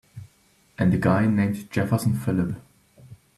And a guy named Jefferson Phillip.